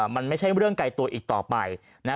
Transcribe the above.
มันไม่ใช่เรื่องไกลตัวอีกต่อไป